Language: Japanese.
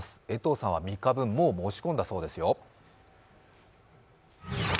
江藤さんは３日分、もう申し込んだそうですよ。